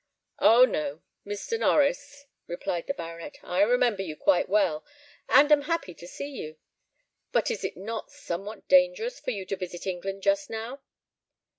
"Oh, no! Mr. Norries," replied the baronet; "I remember you quite well, and am happy to see you. But is it not somewhat dangerous for you to visit England just now?"